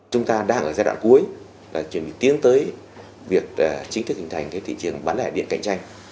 chúng ta đang ở giai đoạn cuối chuyển biến tiến tới việc chính thức hình thành thị trường bán lẻ điện cạnh tranh